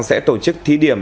sẽ tổ chức thi điểm